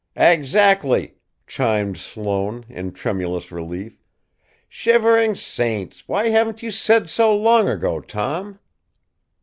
"Exactly!" chimed Sloane, in tremulous relief. "Shivering saints! Why haven't you said so long ago, Tom?"